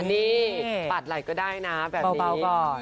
นี่ปัดไหล่ก็ได้นะแบบนี้